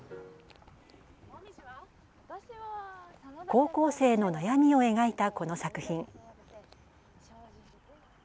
高校生の悩みを描いた、この作品。